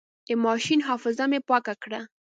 د ماشين حافظه مې پاکه کړه.